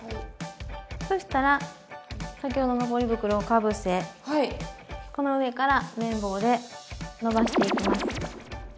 そしたら先ほどのポリ袋をかぶせこの上からめん棒でのばしていきます。